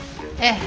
ええ。